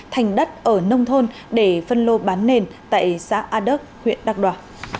thành đất ở nông thôn để phân lô bán nền tại xã a đức huyện đắk đoa